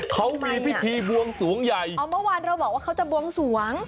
เขามีพิธีบวงสวงใหญ่อ๋อเมื่อวานเราบอกว่าเขาจะบวงสวง